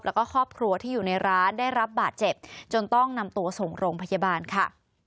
แล้วก็ครอบครัวที่อยู่ในร้านได้รับบาดเจ็บจนต้องนำตัวส่งโรงพยาบาลค่ะ